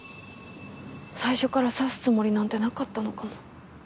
最初から刺すつもりなんてなかったのかも。